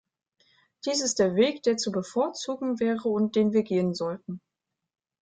Dies ist der Weg, der zu bevorzugen wäre und den wir gehen sollten.